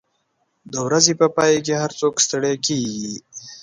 د ورځې په پای کې هر څوک ستړي کېږي.